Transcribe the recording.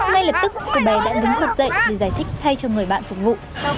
ngay lập tức cô bé đã đứng thật dậy để giải thích thay cho người bạn phục vụ